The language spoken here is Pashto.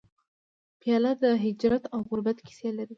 پیاله د هجرت او غربت کیسې لري.